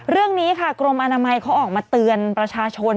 เรื่องนี้ค่ะกรมอนามัยเขาออกมาเตือนประชาชน